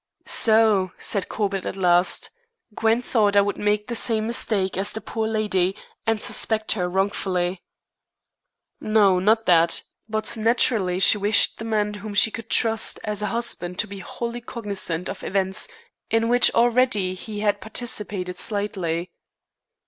"So," said Corbett at last, "Gwen thought I would make the same mistake as the poor lady, and suspect her wrongfully." "No, not that. But naturally she wished the man whom she could trust as a husband to be wholly cognizant of events in which already he had participated slightly."